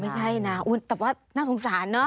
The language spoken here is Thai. ไม่ใช่นะแต่ว่าน่าสงสารเนอะ